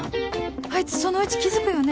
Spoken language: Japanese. あいつそのうち気付くよね